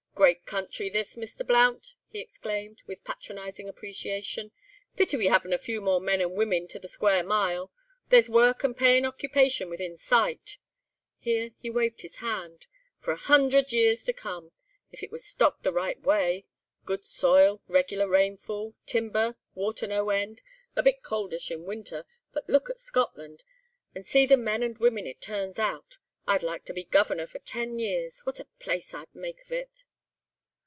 "Great country this, Mr. Blount!" he exclaimed, with patronising appreciation. "Pity we haven't a few more men and women to the square mile. There's work and payin' occupation within sight"—here he waved his hand—"for a hundred years to come, if it was stocked the right way. Good soil, regular rainfall, timber, water no end, a bit coldish in winter; but look at Scotland, and see the men and women it turns out! I'd like to be Governor for ten years. What a place I'd make of it!"